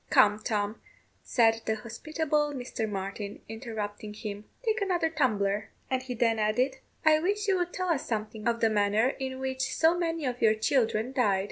"Come, Tom," said the hospitable Mr. Martin, interrupting him, "take another tumbler;" and he then added, "I wish you would tell us something of the manner in which so many of your children died.